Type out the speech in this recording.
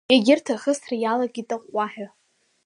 Егьырҭ ахысра иалагеит аҟәҟәаҳәа.